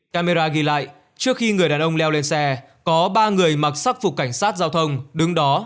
camera ghi lại trước khi người đàn ông leo lên xe có ba người mặc sắc phục cảnh sát giao thông đứng đó